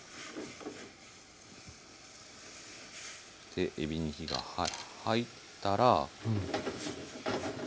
でえびに火が入ったら。